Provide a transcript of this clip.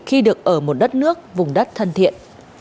khi được ở một đất nước vùng đất thân thiện